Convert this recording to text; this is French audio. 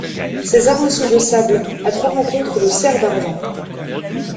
Ses armes sont de sable à trois rencontres de cerf d'argent.